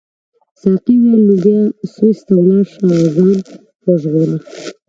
ساقي وویل نو بیا سویس ته ولاړ شه او ځان وژغوره.